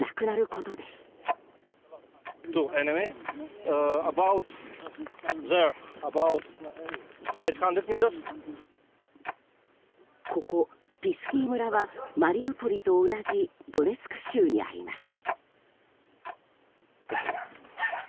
ここピスキー村はマリウポリと同じドネツク州にあります。